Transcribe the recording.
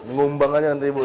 ngumbang aja nanti ibu nih